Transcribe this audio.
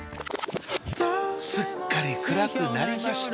すっかり暗くなりました